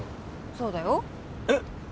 そうだよえっ